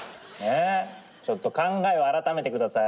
ちょっと考えを改めてください。